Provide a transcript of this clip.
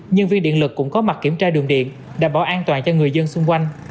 nhân viên điện lực cũng có mặt kiểm tra đường điện đảm bảo an toàn cho người dân xung quanh